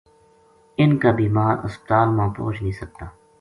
اِنھ کا بیمار ہسپتال ما پوہچ نیہہ سکتا